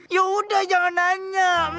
yaudah jangan nanya